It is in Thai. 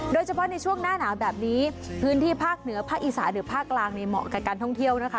โดยเฉพาะในช่วงหน้าหนาวแบบนี้พื้นที่ภาคเหนือภาคอีสานหรือภาคกลางเนี่ยเหมาะกับการท่องเที่ยวนะคะ